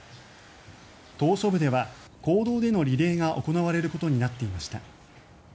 島しょ部では公道でのリレーが行われることになっていました。